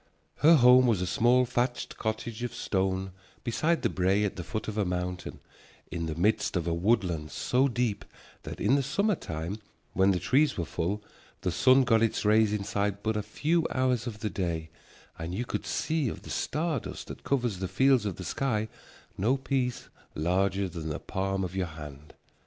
Her home was a small thatched cottage of stone beside the brae at the foot of a mountain, in the midst of a woodland so deep that in the summer time when the trees were full the sun got its rays inside but a few hours of the day and you could see of the star dust that covers the fields of the sky no piece larger than the palm of your hand.